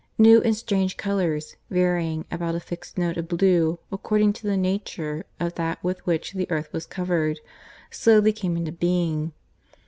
New and strange colours, varying about a fixed note of blue according to the nature of that with which the earth was covered, slowly came into being.